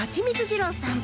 二郎さん